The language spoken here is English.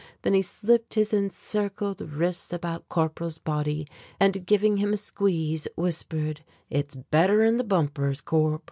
Then he slipped his encircled wrists about Corporal's body and giving him a squeeze whispered: "It's better'n the bumpers, Corp."